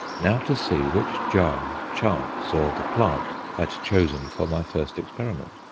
Now to see which jar chance or the plant had chosen for my first experiment.